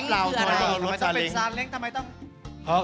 ทำไมต้องเป็นซาเล้งทำไมต้อง